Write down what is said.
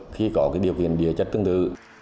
khi có cái điều kiện địa chất tương tự